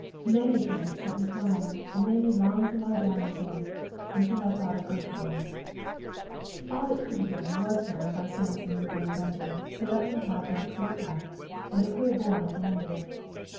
Many a time it set me crying, and made me long to lie down with him, until I thought of earth worms. All that could be done was done by Sampson and Firm Gundry, to let me have my clear path, and a clear bourne at the end of it.